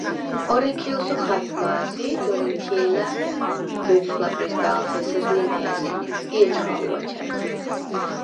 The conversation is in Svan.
ორენქი̄ლსუ ხა̄̈ქვ ბა̄ზი ი დორენქი̄ლა̈ ბეფშვ ლა̈პრისდა̄ლთ’ ე̄სერ ლიზ მე̄ზი ი ეჩხა̄ვუ აჩა̈დ.